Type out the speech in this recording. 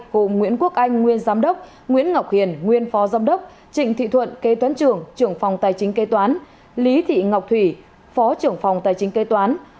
cùng nguyễn quốc anh nguyên giám đốc nguyễn ngọc hiền nguyên phó giám đốc trịnh thị thuận kê toán trưởng phòng tài chính kê toán lý thị ngọc thủy phó trưởng phòng tài chính kê toán